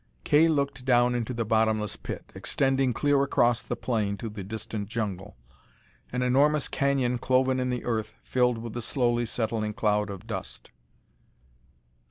Kay looked down into the bottomless pit, extending clear across the plain to the distant jungle. An enormous canyon cloven in the earth, filled with the slowly settling cloud of dust.